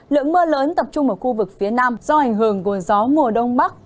lượng mưa lớn tập trung ở khu vực phía nam do ảnh hưởng của gió mùa đông bắc